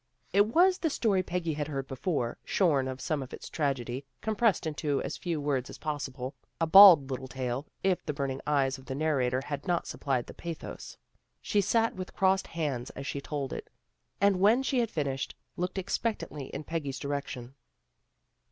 It was the story Peggy had heard before, shorn of some of its tragedy, compressed into as few words as possible; a bald little tale, if the burning eyes of the narrator had not sup plied the pathos. She sat with crossed hands as she told it, and when she had finished, looked expectantly hi Peggy's direction.